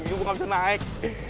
aduh kaki gua gak bisa naik